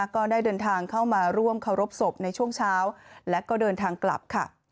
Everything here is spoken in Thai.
ก็ได้เดินทางเข้ามาร่วมเคารพศพในช่วงเช้าและก็เดินทางกลับค่ะ